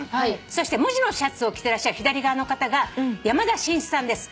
そして無地のシャツを着てらっしゃる左側の方が山田慎一さんです。